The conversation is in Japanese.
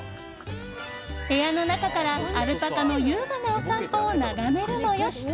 部屋の中からアルパカの優雅なお散歩を眺めるもよし。